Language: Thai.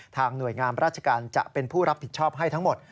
หน่วยงามราชการจะเป็นผู้รับผิดชอบให้ทั้งหมด